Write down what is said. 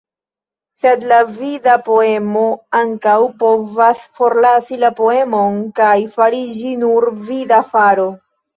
Sed la vida poemo ankaŭ povas forlasi la poemon kaj fariĝi nur vida faro.